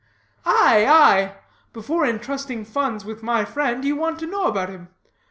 Aye, aye; before intrusting funds with my friend, you want to know about him.